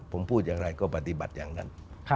ผมพูดอย่างไรก็ปฏิบัติอย่างนั้น